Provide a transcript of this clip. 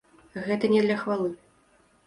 Гэта не для хвалы.